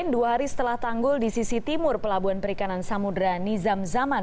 dua hari setelah tanggul di sisi timur pelabuhan perikanan samudera nizam zaman